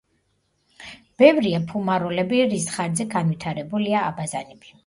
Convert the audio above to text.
ბევრია ფუმაროლები, რის ხარჯზე განვითარებულია აბაზანები.